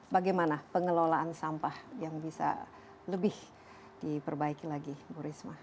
bagaimana pengelolaan sampah yang bisa lebih diperbaiki lagi bu risma